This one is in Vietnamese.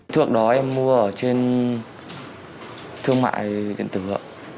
thuộc đó em mua ở trên thương mại điện tử vận